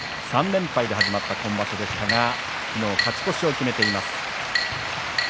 ３連敗で始まった今場所でしたが昨日、勝ち越しを決めました。